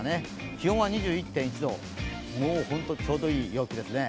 気温は２１．１度、本当にちょうどいい陽気ですね。